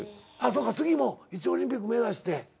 そうか次も一応オリンピック目指して。